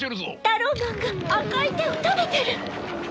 タローマンが赤い手を食べてる！？